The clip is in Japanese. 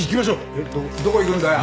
えっどこ行くんだよ？